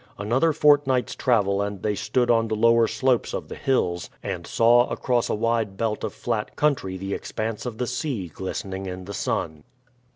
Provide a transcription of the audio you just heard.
Another fortnight's travel and they stood on the lower slopes of the hills, and saw across a wide belt of flat country the expanse of the sea glistening in the sun.